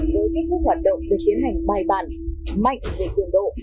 với kết thúc hoạt động được tiến hành bài bản mạnh về quyền độ